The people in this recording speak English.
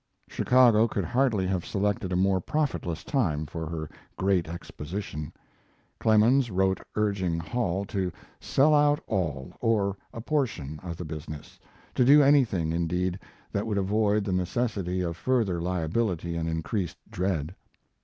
Chicago could hardly have selected a more profitless time for her great exposition. Clemens wrote urging Hall to sell out all, or a portion, of the business to do anything, indeed, that would avoid the necessity of further liability and increased dread.